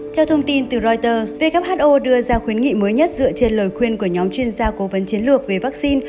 theo thông tin từ reuters who đưa ra khuyến nghị mới nhất dựa trên lời khuyên của nhóm chuyên gia cố vấn chiến lược về vaccine